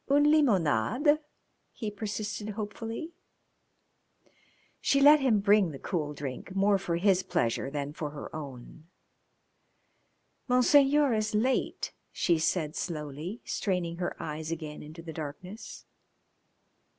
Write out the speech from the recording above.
"Une limonade?" he persisted hopefully. She let him bring the cool drink more for his pleasure than for her own. "Monseigneur is late," she said slowly, straining her eyes again into the darkness.